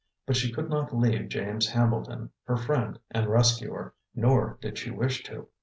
But she could not leave James Hambleton, her friend and rescuer, nor did she wish to.